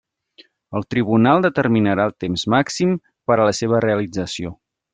El tribunal determinarà el temps màxim per a la seva realització.